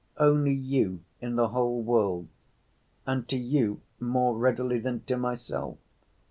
Only you in the whole world. And to you more readily than to myself.